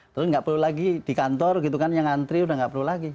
terus nggak perlu lagi di kantor gitu kan yang ngantri udah nggak perlu lagi